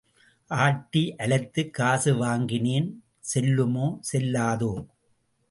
ஆட்டி அலைத்துக் காசு வாங்கினேன் செல்லுமோ செல்லாதோ?